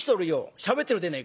しゃべってるでねえか」。